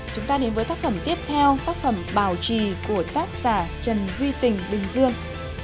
chúng ta đến với tác phẩm tiếp theo tác phẩm bảo trì của tác giả trần duy tình bình dương